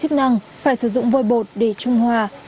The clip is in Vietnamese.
chức năng phải sử dụng vôi bột để trung hoa